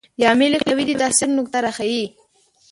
د عاملې قوې د تاثیر نقطه راښيي.